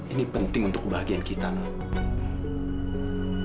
ini penting untuk kebahagiaan kita nih